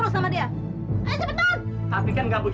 bagaimana sih anak anaknya akan lolor disini